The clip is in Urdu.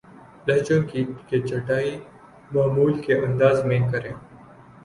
لہجوں کی چھٹائی معمول کے انداز میں کریں